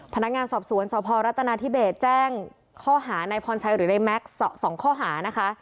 พนักงานสอบสวนสพรัฐนาธิเบสแจ้งข้อหานายพรชัยหรือในแม็กซ์๒ข้อหานะคะ